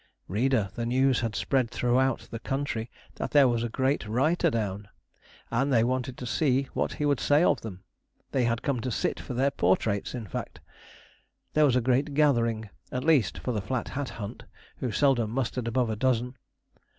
Reader, the news had spread throughout the country that there was a great writer down; and they wanted to see what he would say of them they had come to sit for their portraits, in fact. There was a great gathering, at least for the Flat Hat Hunt, who seldom mustered above a dozen.